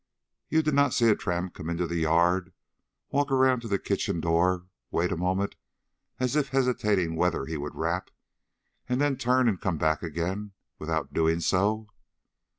"You did not see a tramp come into the yard, walk around to the kitchen door, wait a moment as if hesitating whether he would rap, and then turn and come back again without doing so?"